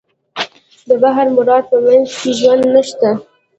د بحر مردار په منځ کې ژوند نشته.